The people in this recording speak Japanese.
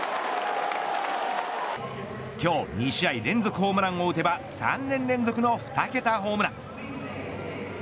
今日、２試合連続ホームランを打てば３年連続の２桁ホームラン。